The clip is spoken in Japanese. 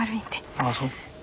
ああそう。